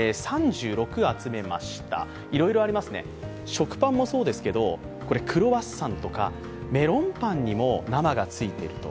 食パンもそうですけど、クロワッサンとかメロンパンにも生がついていると。